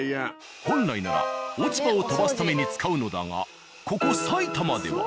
本来なら落ち葉を飛ばすために使うのだがここ埼玉では。